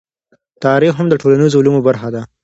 تاريخ هم د ټولنيزو علومو برخه ده.